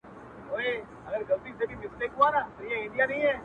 سـتـــا خــبــــــري دي ـ